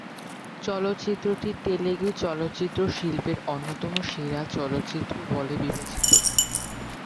চলচ্চিত্রটি তেলুগু চলচ্চিত্র শিল্পের অন্যতম সেরা চলচ্চিত্র বলে বিবেচিত।